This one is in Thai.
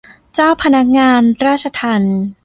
เจ้าพนักงานราชทัณฑ์